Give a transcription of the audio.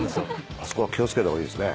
あそこは気を付けた方がいいですね。